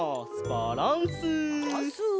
バランス！